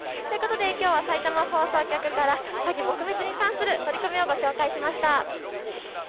きょうはさいたま放送局から詐欺撲滅に関する取り組みをご紹介しました。